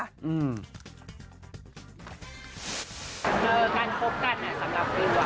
การพบกันสำหรับวิว